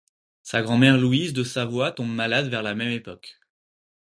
Sa grand-mère Louise de Savoie tombe malade vers la même époque.